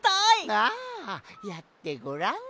ああやってごらん。